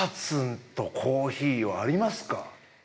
草津とコーヒーはありますか？